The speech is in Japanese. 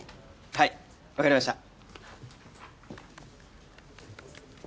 はいわかりました！